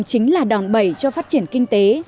chính là đòn bẩy cho phát triển kinh tế